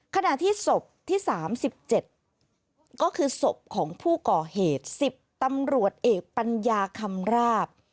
ขณะที่ศพที่๓๗ก็คือศพของผู้ก่อเหตุ๑๐ตำรวจเอกปัญญาคำราบ